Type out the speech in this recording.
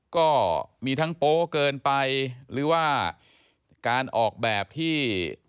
ก็มีทั้งโป๊เกินไปหรือว่าการออกแบบที่